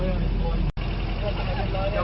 มันต้องมีกว่า